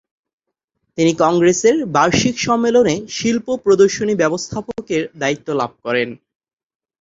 তিনি কংগ্রসের বার্ষিক সম্মেলনে শিল্প প্রদর্শনী ব্যবস্থাপকের দায়িত্ব লাভ করেন।